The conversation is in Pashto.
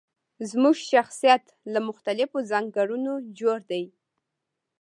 زموږ شخصيت له مختلفو ځانګړنو جوړ دی.